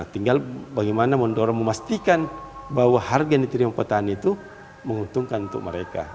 tinggal bagaimana mendorong memastikan bahwa harga yang diterima petani itu menguntungkan untuk mereka